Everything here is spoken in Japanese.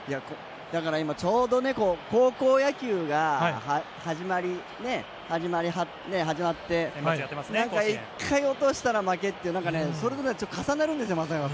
ちょうど高校野球が始まって１回落としたら負けというそれと重なるんですよ。